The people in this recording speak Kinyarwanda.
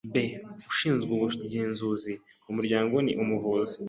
b. Ushinzwe ubugenzuzi mu muryango ni umuvuzi